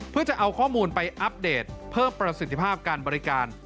เพื่อจะเอาข้อมูลไปอัปเดตเพิ่มประสิทธิภาพการบริการ